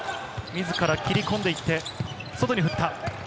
自ら切り込んでいって、外に振った。